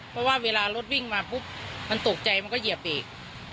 เพราะว่าเวลารถวิ่งมาปุ๊บมันตกใจมันก็เหยียบอีก